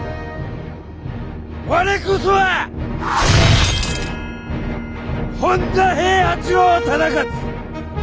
我こそは本多平八郎忠勝！